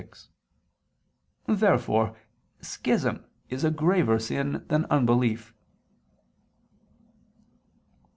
Therefore schism is a graver sin than unbelief.